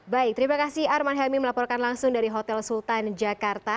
baik terima kasih arman helmi melaporkan langsung dari hotel sultan jakarta